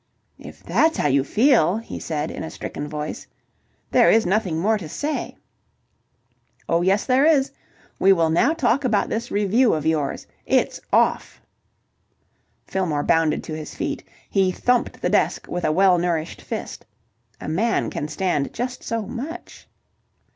"If that's how you feel," he said in a stricken voice, "there is nothing more to say." "Oh, yes there is. We will now talk about this revue of yours. It's off!" Fillmore bounded to his feet; he thumped the desk with a well nourished fist. A man can stand just so much.